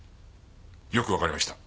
よくわかりました。